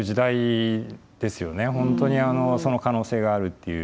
本当にその可能性があるっていう。